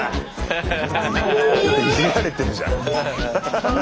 ちょっといじられてるじゃん。